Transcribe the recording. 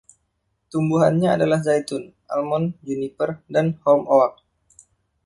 Tumbuhannya adalah zaitun, almond, juniper dan holm oak.